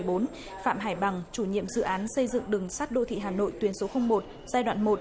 phạm hải bằng chủ nhiệm dự án xây dựng đường sắt đô thị hà nội tuyến số một giai đoạn một